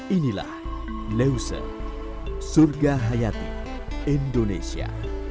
inilah leuser surga hayati indonesia